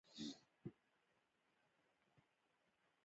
د خپلو بنسټونو د اصلاح او اقتصادي هوساینې په موخه.